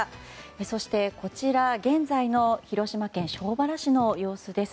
そして、こちら現在の広島県庄原市の様子です。